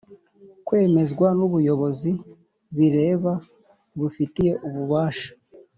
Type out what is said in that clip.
kwemezwa n ubuyobozi bireba bubifitiye ububasha